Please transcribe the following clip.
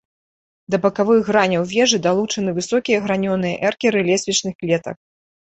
Да бакавых граняў вежы далучаны высокія гранёныя эркеры лесвічных клетак.